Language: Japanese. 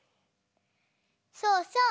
そうそう。